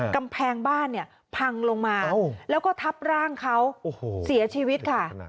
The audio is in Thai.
กำแพงบ้านเนี่ยพังลงมาแล้วก็ทับร่างเขาเสียชีวิตค่ะ